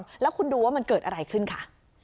แล้วคุณดูว่ามันเกิดอะไรขึ้นค่ะ